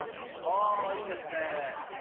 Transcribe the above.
あぁーいいですね。